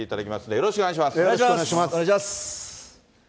よろしくお願いします。